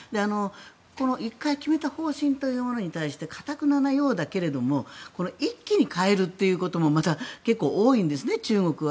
この１回決めた方針というものに対して頑ななようだけれども一気に変えるというのもまた結構多いんですね中国は。